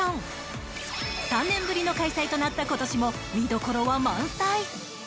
３年ぶりの開催となった今年も見どころは満載。